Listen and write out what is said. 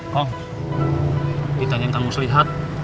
kong ditanyain kamu selihat